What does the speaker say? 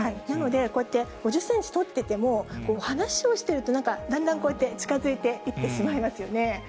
なので、こうやって５０センチ取ってても、話をしてると、なんかだんだんこうやって、近づいていってしまいますよね。